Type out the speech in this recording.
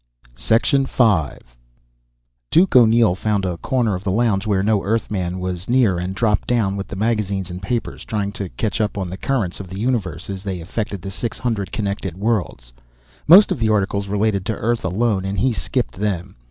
V Duke O'Neill found a corner of the lounge where no Earthman was near and dropped down with the magazine and papers, trying to catch up on the currents of the universe as they affected the six hundred connected worlds. Most of the articles related to Earth alone, and he skipped them.